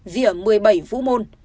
vỉa một mươi bảy vũ môn